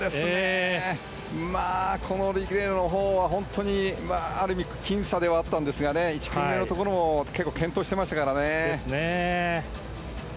この２組のほうでは本当にある意味僅差ではあったんですが１組目のところも結構健闘していましたから。